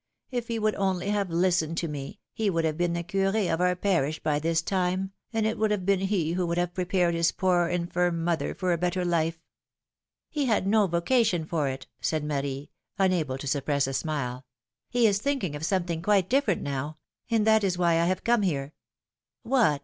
If he would only have listened to me, he would have been the Cur6 of our parish by this time, and it would have been he who would have prepared his poor infirm mother for a better life." '^He had no vocation for it," said Marie, unable to PHILOMiiNE's MARRIAGES. 271 suppress a smile; ^^Iie is thinking of something quite different now; and that is why I have come here.'^ ^^What?